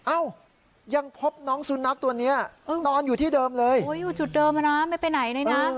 เอ้ายังพบน้องสุนัขตัวนี้นอนอยู่ที่เดิมเลยอยู่จุดเดิมอ่ะนะไม่ไปไหนเลยนะ